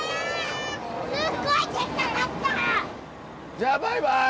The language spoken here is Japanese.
じゃあバイバイ！